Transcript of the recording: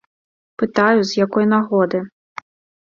Пытаю, з якой нагоды.